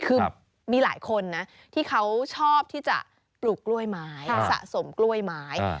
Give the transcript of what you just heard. คือมีหลายคนนะที่เขาชอบที่จะปลูกกล้วยไม้สะสมกล้วยไม้